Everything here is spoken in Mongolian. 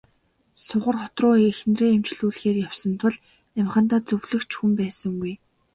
Сугар хот руу эхнэрээ эмчлүүлэхээр явсан тул амьхандаа зөвлөх ч хүн байсангүй.